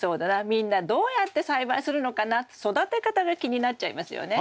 みんなどうやって栽培するのかなって育て方が気になっちゃいますよね。